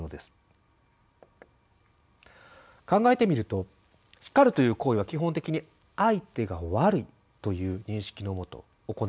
考えてみると叱るという行為は基本的に「相手が悪い」という認識のもと行われています。